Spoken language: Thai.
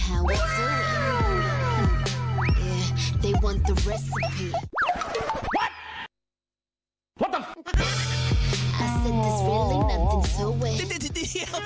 อะไร